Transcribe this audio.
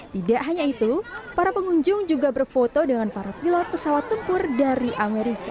tidak hanya itu para pengunjung juga berfoto dengan para pilot pesawat tempur dari amerika